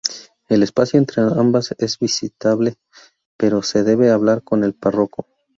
El espacio entre ambas es visitable, pero se debe hablar con el párroco.